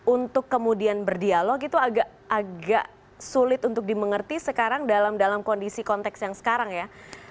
untuk kemudian berdialog itu agak sulit untuk dimengerti sekarang dalam kondisi konteks yang sekarang ya